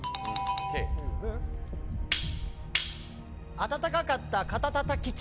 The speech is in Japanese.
温かかった肩たたき機。